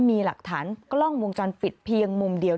มีหลักฐานกล้องวงจรปิดเพียงมุมเดียว